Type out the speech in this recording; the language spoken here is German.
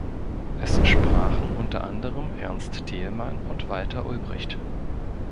Es sprachen unter anderem Ernst Thälmann und Walter Ulbricht.